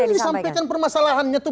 bajar mas kan disampaikan permasalahannya tuh